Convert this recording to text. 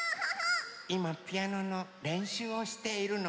いまピアノのれんしゅうをしているの。